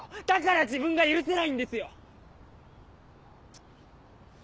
だから自分が許せないんですよ！